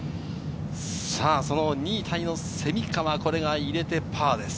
その２位タイの蝉川、入れてパーです。